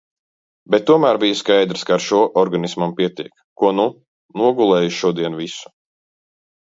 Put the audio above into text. Bet tomēr bija skaidrs, ka ar šo organismam pietiek. Ko nu? Nogulēju šodien visu.